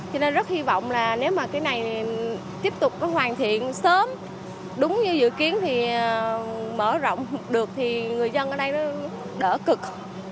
cho nên rất hy vọng là nếu mà cái này tiếp tục hoàn thiện sớm đúng như dự kiến thì mở rộng được thì người dân ở đây nó đỡ cực